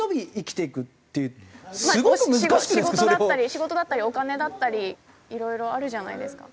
仕事だったりお金だったりいろいろあるじゃないですか。